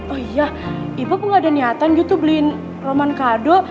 oh iya ibu aku gak ada niatan gitu beliin roman kado